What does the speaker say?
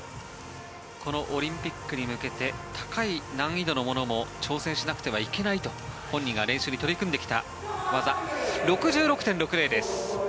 このオリンピックに向けて高い難易度のものも挑戦しなくてはいけないと本人が練習で取り組んできた技６６．６０です。